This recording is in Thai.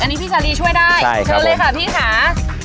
อันนี้พี่ซารีช่วยได้ใช่ครับช่วยเลยค่ะพี่ค่ะ